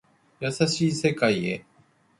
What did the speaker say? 優しい世界へ